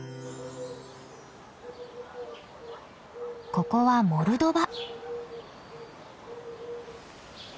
ここはモルドバ。